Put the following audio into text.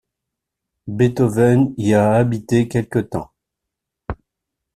Beethoven y a habité quelque temps.